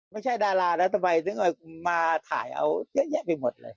ไม่ใช่ดาราแล้วทำไมถึงเอามาถ่ายเอาเยอะแยะไปหมดเลย